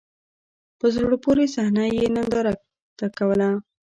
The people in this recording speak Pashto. په زړه پوري صحنه یې نندارې ته کوله.